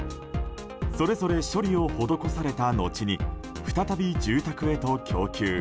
それぞれ処理を施されたのちに再び住宅へと供給。